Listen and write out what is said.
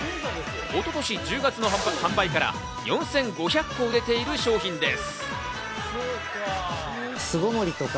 一昨年１０月の販売から４５００個売れている商品です。